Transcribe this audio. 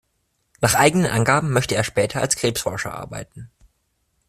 Nach eigenen Angaben möchte er später als Krebsforscher arbeiten.